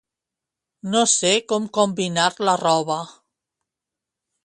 No sé com combinar la roba.